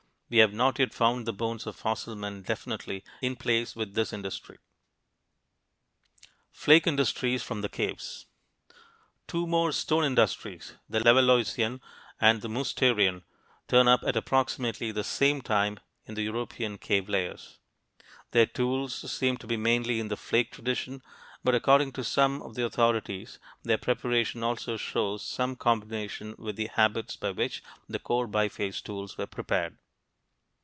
We have not yet found the bones of fossil men definitely in place with this industry. [Illustration: ACHEULEAN BIFACE] FLAKE INDUSTRIES FROM THE CAVES Two more stone industries the Levalloisian and the "Mousterian" turn up at approximately the same time in the European cave layers. Their tools seem to be mainly in the flake tradition, but according to some of the authorities their preparation also shows some combination with the habits by which the core biface tools were prepared.